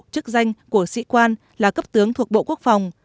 chức danh của sĩ quan là cấp tướng thuộc bộ quốc phòng